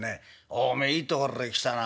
『おめえいいところへ来たな。